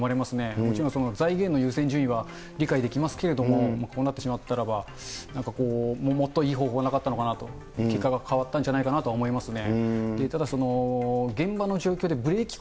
もちろん財源の優先順位は理解できますけれども、こうなってしまったらば、なんかこう、もっといい方法はなかったのかなと、結果が変わったんじゃないかなと思いますね。